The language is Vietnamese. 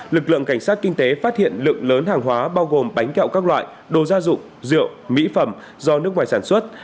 ba nghìn bảy trăm ba mươi một lực lượng cảnh sát kinh tế phát hiện lượng lớn hàng hóa bao gồm bánh kẹo các loại đồ gia dụng rượu mỹ phẩm do nước ngoài sản xuất